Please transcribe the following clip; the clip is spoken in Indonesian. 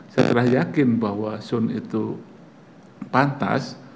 setelah yakin bahwa sun itu pantas